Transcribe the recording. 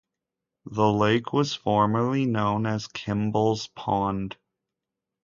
The lake was formerly known as "Kimball's Pond".